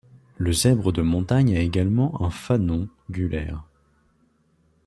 Le zèbre de montagne a également un fanon gulaire.